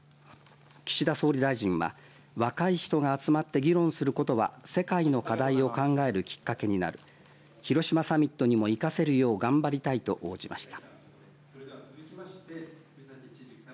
岸田総理大臣は若い人が集まって議論することは世界の課題を考えるきっかけになる広島サミットにも生かせるよう頑張りたいと応じました。